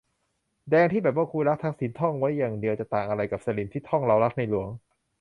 แดงที่แบบว่า "กูรักทักษิณ" ท่องไว้อย่างเดียวจะต่างอะไรกับสลิ่มที่ท่อง "เรารักในหลวง"